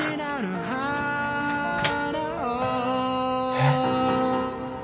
えっ？